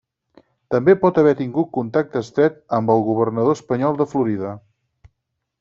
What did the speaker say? També pot haver tingut contacte estret amb el governador espanyol de Florida.